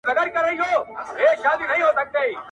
د پيغمبرانو صبر جميل صبر وي.